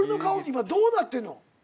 今どうなってんの？